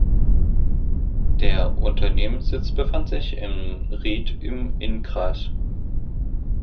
Der Unternehmenssitz befand sich in Ried im Innkreis.